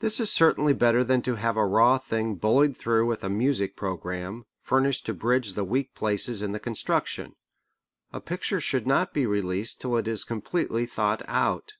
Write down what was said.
This is certainly better than to have a raw thing bullied through with a music programme, furnished to bridge the weak places in the construction. A picture should not be released till it is completely thought out.